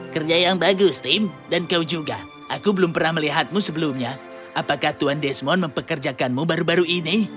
kerja yang bagus tim dan kau juga aku belum pernah melihatmu sebelumnya apakah tuhan desmond mempekerjakanmu baru baru ini